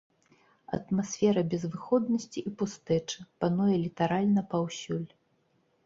Атмасфера безвыходнасці і пустэчы пануе літаральна паўсюль.